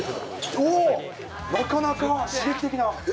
おー、なかなか刺激的な。